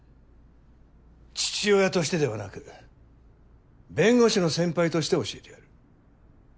父親としてではなく弁護士の先輩として教えてやる。